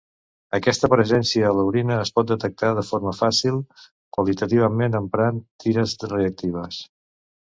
Aquesta presència a l'orina es pot detectar de forma fàcil qualitativament emprant tires reactives.